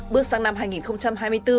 bước sang năm hai nghìn hai mươi bốn